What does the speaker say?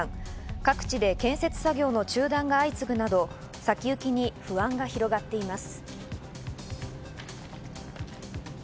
各地で建設作業の中断が相次ぐなど、先行きに不安が広がっています。